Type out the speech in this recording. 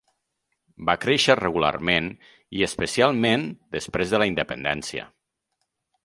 Va créixer regularment i especialment després de la independència.